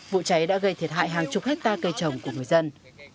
vụ cháy đã gây thiệt hại hàng chục hectare cây trồng của người dân